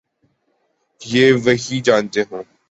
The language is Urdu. یہ وہی جانتے ہوں۔